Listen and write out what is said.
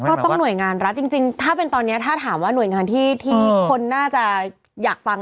ต้องหน่วยงานรัฐจริงถ้าเป็นตอนนี้ถ้าถามว่าหน่วยงานที่คนน่าจะอยากฟัง